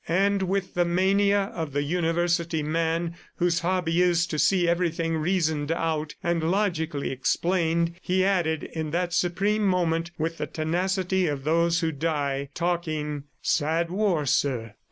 ... And with the mania of the University man, whose hobby is to see everything reasoned out and logically explained, he added in that supreme moment, with the tenacity of those who die talking: "Sad war, sir.